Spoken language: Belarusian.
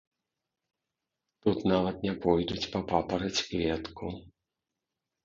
Тут нават не пойдуць па папараць-кветку.